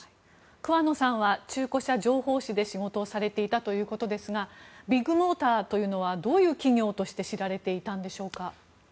桑野さんは中古車情報誌で仕事をされていたということですがビッグモーターというのはどういう企業として知られていたんでしょうか。